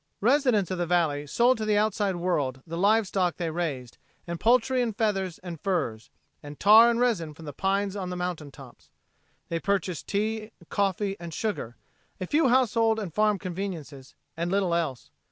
Residents of the valley sold to the outside world the live stock they raised, and poultry and feathers and furs, and tar and resin from the pines on the mountaintops. They purchased tea, coffee and sugar, a few household and farm conveniences, and little else.